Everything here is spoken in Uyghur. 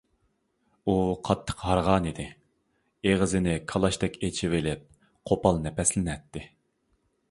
ئۇ قاتتىق ھارغانىدى، ئېغىزىنى كالاچتەك ئېچىۋېلىپ، قوپال نەپەسلىنەتتى.